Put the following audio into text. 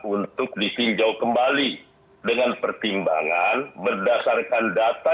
untuk disinjau kembali dengan pertimbangan berdasarkan data